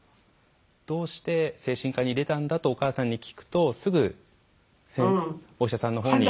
どうして精神科に入れたんだとお母さんに聞くとすぐお医者さんのほうに。